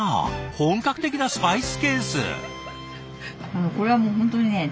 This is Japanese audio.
本格的なスパイスケース！